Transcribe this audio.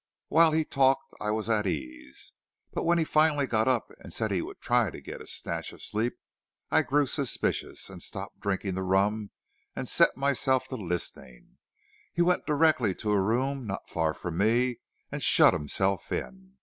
While he talked I was at ease, but when he finally got up and said he would try to get a snatch of sleep I grew suspicious, and stopped drinking the rum and set myself to listening. He went directly to a room not far from me and shut himself in.